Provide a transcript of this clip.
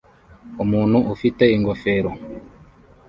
Umuntu ufite ingofero